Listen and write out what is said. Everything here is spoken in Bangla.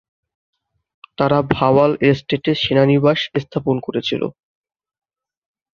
তারা ভাওয়াল এস্টেটে সেনানিবাস স্থাপন করেছিল।